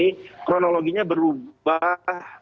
jadi kronologinya berubah